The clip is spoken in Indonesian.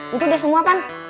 itu udah semua pan